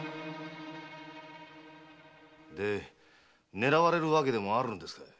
狙われる訳でもあるんですかい？